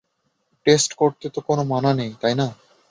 Test করতে তো কোনো মানা নেই, তাই না?